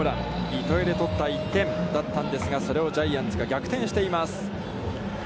糸井で取った１点だったんですが、それをジャイアンツが逆転しています。